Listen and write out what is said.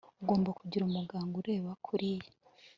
Ugomba kugira umuganga ureba kuriya